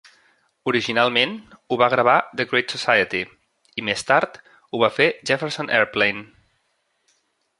Originalment ho va gravar The Great Society i, més tard, ho va fer Jefferson Airplane.